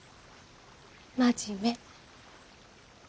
真面目。